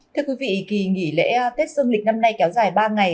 thưa quý vị kỳ nghỉ lễ tết dương lịch năm nay kéo dài ba ngày